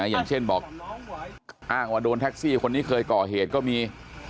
อย่างเช่นบอกอ้างว่าโดนแท็กซี่คนนี้เคยก่อเหตุก็มี